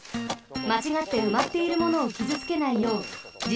まちがってうまっているものをきずつけないようじ